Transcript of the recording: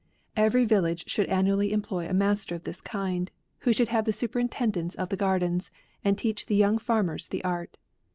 Every village should annually employ a master of this kind, who should have the superintendance of the gar dens, and teach the young farmers the art.